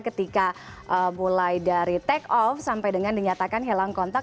ketika mulai dari take off sampai dengan dinyatakan hilang kontak